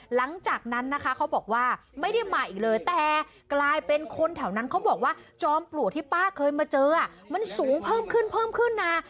หลังจากนั้นนะคะเขาบอกว่าไม่ได้มาอีกเลยแต่กลายเป็นคนแถวนั้นเขาบอกว่าจอมปลวกที่ป้าเคยมาเจอมันสูงเพิ่มขึ้นเพิ่มขึ้นนะ